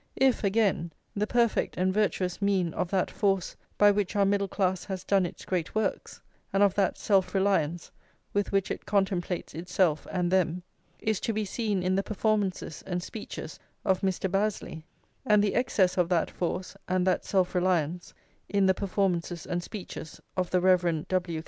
If, again, the perfect and virtuous mean of that force by which our middle class has done its great works, and of that self reliance with which it contemplates itself and them, is to be seen in the performances and speeches of Mr. Bazley, and the excess of that force and that self reliance in the performances and speeches of the Rev. W.